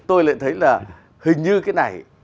tôi lại thấy là hình như cái này